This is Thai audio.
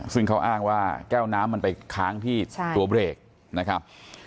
ซึ่งเขาอ้างว่าแก้วน้ำมันไปค้างที่ตัวเบรกนะครับ